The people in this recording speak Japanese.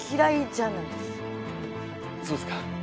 そうですか。